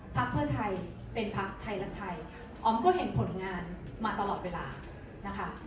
พักเพื่อไทยเป็นพักไทยรักไทยอ๋อมก็เห็นผลงานมาตลอดเวลานะคะ